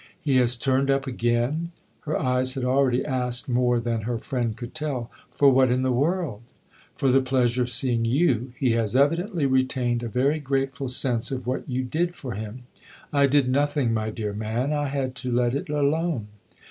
" He has turned up again ?" Her eyes had already asked more than her friend could tell. " For what in the world ?"" For the pleasure of seeing you. He has evidently retained a very grateful sense of what you did for him." " I did nothing, my dear man I had to let it alone."